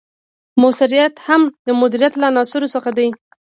مؤثریت هم د مدیریت له عناصرو څخه دی.